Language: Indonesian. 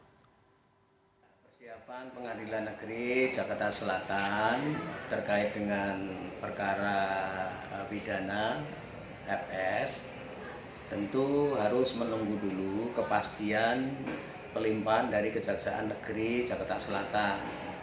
persiapan pengadilan negeri jakarta selatan terkait dengan perkara pidana fs tentu harus menunggu dulu kepastian pelimpan dari kejaksaan negeri jakarta selatan